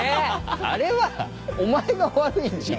あれはお前が悪いんじゃん。